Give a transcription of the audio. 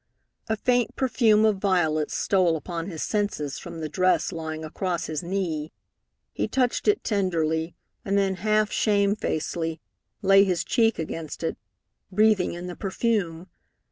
A faint perfume of violets stole upon his senses from the dress lying across his knee. He touched it tenderly, and then half shamefacedly laid his cheek against it, breathing in the perfume.